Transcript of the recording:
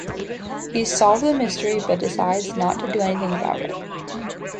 He's solved the mystery but decides not to do anything about it.